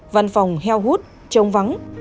văn phòng heo hút trống vắng